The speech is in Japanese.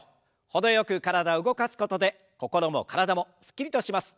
程よく体を動かすことで心も体もすっきりとします。